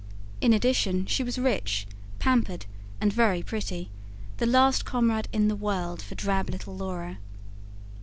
In addition, she was rich, pampered and very pretty the last comrade in the world for drab little Laura.